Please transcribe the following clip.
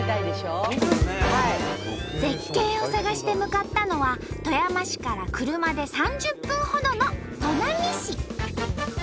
絶景を探して向かったのは富山市から車で３０分ほどの砺波市。